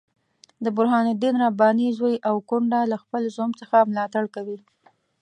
د برهان الدین رباني زوی او کونډه له خپل زوم څخه ملاتړ کوي.